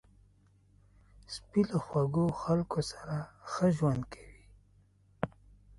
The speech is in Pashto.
سپي له خوږو خلکو سره ښه ژوند کوي.